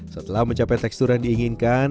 setelah mencapai tekstur yang diinginkan